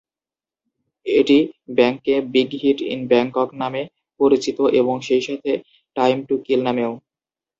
এটি ব্যাংককে "big hit in Bangkok" নামে পরিচিত, এবং সেই সাথে "টাইম টু কিল" নামেও।